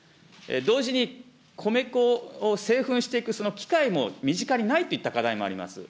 同時に、米粉を製粉していくその機械も身近にないといった課題もあります。